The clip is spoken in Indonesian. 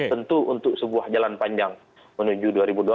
tentu untuk sebuah jalan panjang menuju dua ribu dua puluh empat